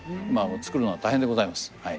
作るのが大変でございます。